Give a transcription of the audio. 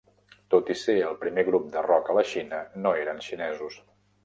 Tot i ser el primer grup de rock a la Xina, no eren xinesos.